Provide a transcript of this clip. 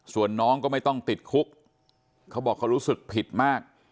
ส่วนน้องก็ไม่ต้องติดคุกเขาบอกเขารู้สึกผิดมาก